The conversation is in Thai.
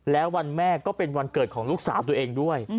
แล้ววันแม่ก็เป็นวันเกิดของลูกสาวตัวเองด้วย